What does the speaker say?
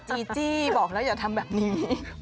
จีจี้บอกแล้วอย่าทำแบบนี้